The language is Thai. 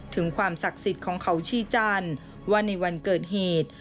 ถึงความศักดิ์สิทธิ์ของเขาชีจันทร์ว่าในวันเกิดเหตุ